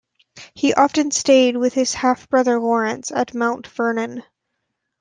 He often stayed with his half-brother Lawrence at Mount Vernon.